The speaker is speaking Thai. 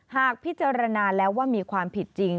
หากพิจารณาแล้วว่ามีความผิดจริง